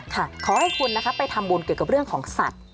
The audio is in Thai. ขอให้คุณนะคะไปทำบุญเกี่ยวกับเรื่องของสัตว์